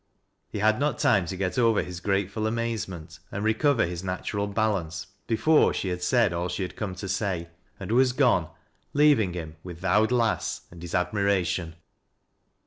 He had not time to get over his grateful an\a£ eme!il THE MEMBER OF PARLIAMENT. 129 and recover his natural balance before she had said all she liad come to say, and was gone, leaving him with " th' owd lass " and his admiration.